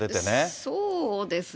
そうですね。